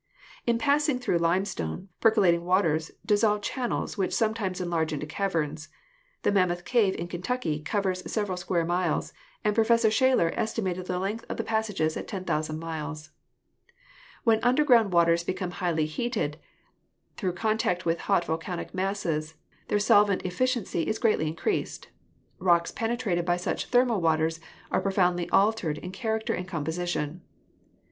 In passing through limestone, percolating waters dis solve channels which sometimes enlarge into caverns. The Mammoth Cave, in Kentucky, covers several square miles, and Professor Shaler estimated the length of the passages DESTRUCTIVE AGENCIES 137 at 100,000 miles. When underground waters become highly heated through contact with hot volcanic masses their solvent efficiency is greatly increased. Rocks penetrated by such thermal waters are profoundly altered in character and composition.